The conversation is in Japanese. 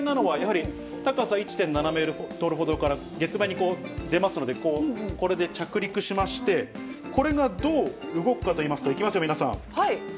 高さ１．７メートルほどから月面に出ますので、こう、これで着陸しまして、これがどう動くかといいますと、いきますよ、皆さん。